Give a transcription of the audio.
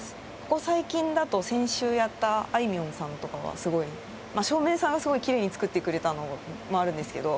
ここ最近だと先週やったあいみょんさんとかがすごいまあ照明さんがすごいきれいに作ってくれたのもあるんですけど